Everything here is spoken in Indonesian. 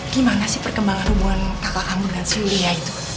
gimana sih perkembangan hubungan kakak kamu dengan sria itu